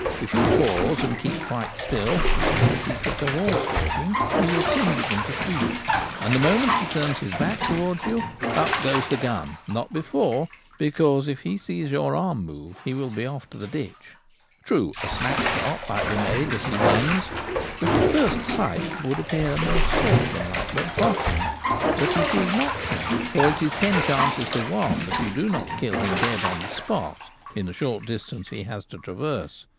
If you pause and keep quite still, which is the secret of all stalking, he will soon begin to feed, and the moment he turns his back towards you up goes the gun ; not before, because if he sees your arm move he will be off to the ditch. True, a snap shot might be made as he runs, which at first sight would appear more sportsmanlike than 'potting;* but it is not so, for it is ten chances to one that you do not kill him dead on the spot in the 102 The Gamekeeper at Home. short distance he has to traverse.